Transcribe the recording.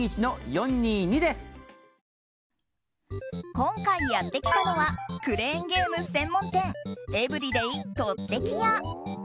今回やってきたのはクレーンゲーム専門店エブリデイとってき屋。